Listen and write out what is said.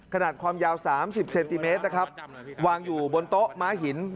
ขนาดความยาว๓๐เซนติเมตรวางอยู่บนโต๊ะม้าหิน